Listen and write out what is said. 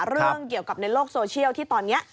เรื่องเกี่ยวกับในโลกโซเชียลที่ตอนนี้